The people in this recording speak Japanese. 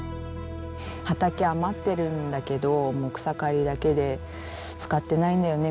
「畑余ってるんだけどもう草刈りだけで使ってないんだよね」